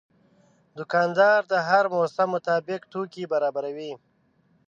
دوکاندار د هر موسم مطابق توکي برابروي.